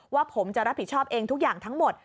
ว่าผมจะรับผิดชอบเองทุกอย่างทั้งหมด